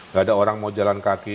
gak ada orang mau jalan kaki